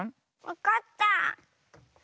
わかった。